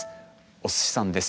おすしさんです。